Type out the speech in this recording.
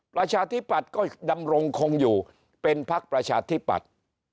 ประชาธิปัตย์ก็ดำรงคงอยู่เป็นพักประชาธิปัตย์